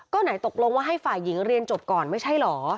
ก็ไหนตกลงว่าให้ฝ่ายหญิงเรียนจบก่อนไม่ใช่เหรอ